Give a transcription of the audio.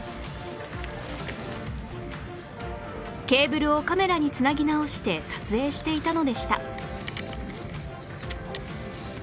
ケーブルをカメラに繋ぎ直して撮影していたのでした